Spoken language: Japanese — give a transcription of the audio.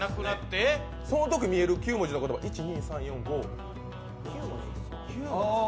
そのとき見える９文字の言葉１２３４５